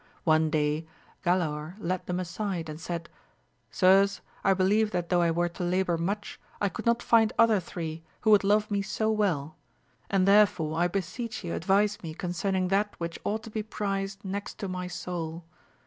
One day Galaor led them aside and said, Sirs, I believe that though I were to labour much AMADIS OF GAUL. 173 I could not find other three who would love me so well, and therefore I beseech ye advise me concerning that which ought to be prized next to my soul.